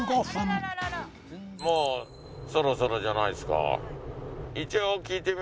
もうそろそろじゃないっすか？